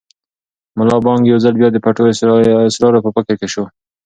ملا بانګ یو ځل بیا د پټو اسرارو په فکر کې شو.